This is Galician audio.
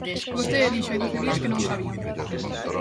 Vostede dixo hai doce días que non o sabían.